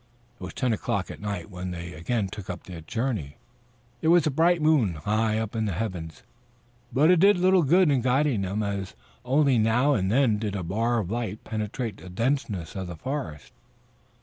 It was ten o'clock at night when they again took up their journey. There was a bright moon high up in the heavens, but it did little good in guiding them, as only now and then did a bar of light penetrate the denseness of the forest.